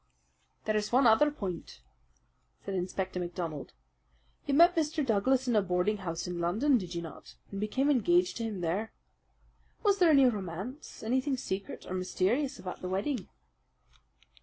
"There is one other point," said Inspector MacDonald. "You met Mr. Douglas in a boarding house in London, did you not, and became engaged to him there? Was there any romance, anything secret or mysterious, about the wedding?"